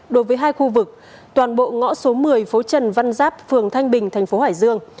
đối với hai khu vực toàn bộ ngõ số một mươi phố trần văn giáp phường thanh bình thành phố hải dương